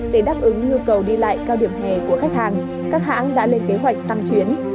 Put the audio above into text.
để đáp ứng nhu cầu đi lại cao điểm hè của khách hàng các hãng đã lên kế hoạch tăng chuyến